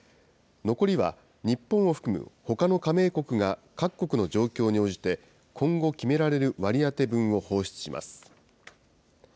残りは日本を含むほかの加盟国が各国の状況に応じて、今後、決められる割り当て分を放出します。